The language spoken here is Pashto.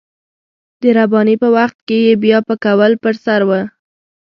د رباني په وخت کې يې بيا پکول پر سر و.